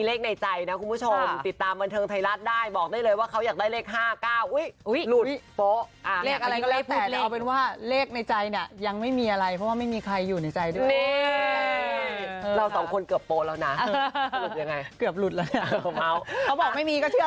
เลขทะเบียรถเขาสวยมากเลยนะ